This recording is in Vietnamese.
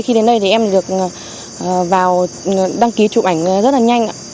khi đến đây thì em được vào đăng ký chụp ảnh rất là nhanh ạ